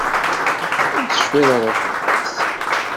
Ur tecfiḍ ara fell-as?